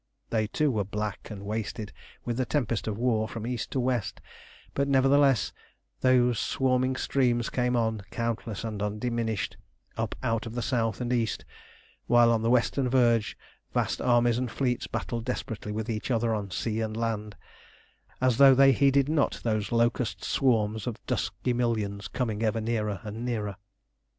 They too were black and wasted with the tempest of war from east to west, but nevertheless those swarming streams came on, countless and undiminished, up out of the south and east, while on the western verge vast armies and fleets battled desperately with each other on sea and land, as though they heeded not those locust swarms of dusky millions coming ever nearer and nearer.